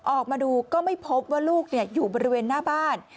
ออกมาดูก็ไม่พบว่าลูกอยู่บริเวณหน้าบ้าน